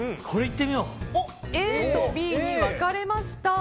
ＡとＢに分かれました。